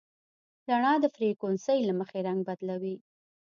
رڼا د فریکونسۍ له مخې رنګ بدلوي.